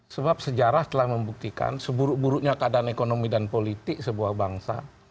sebab sejarah telah membuktikan seburuk buruknya keadaan ekonomi dan politik sebuah bangsa